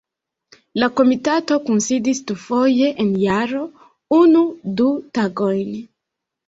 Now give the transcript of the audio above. La Komitato kunsidis dufoje en jaro, unu-du tagojn.